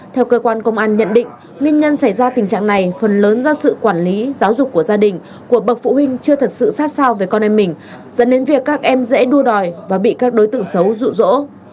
theo cơ quan công an nhận định nguyên nhân xảy ra tình trạng này phần lớn do sự quản lý giáo dục của gia đình của bậc phụ huynh chưa thật sự sát sao về con em mình dẫn đến việc các em dễ đu đòi và bị các đối tượng xấu rụ rỗ